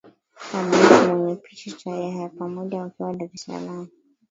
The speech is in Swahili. na Bush kwenye picha ya pamoja wakiwa Dar es salaam